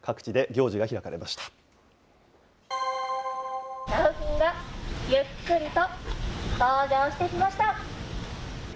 良浜がゆっくりと登場してきました。